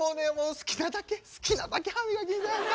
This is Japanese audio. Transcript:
好きなだけ好きなだけ歯磨きんさい。